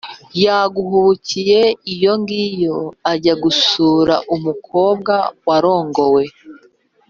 yaguhubukiye iyo ngiyo ajya gusura umukobwa warongowe